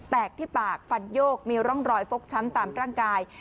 แตกที่ปากฟันโยกมีร่องรอยฟกช้ำตามร่างกาย